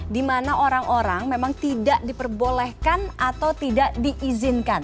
di mana orang orang memang tidak diperbolehkan atau tidak diizinkan